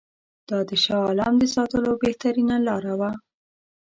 دا د شاه عالم د ساتلو بهترینه لاره وه.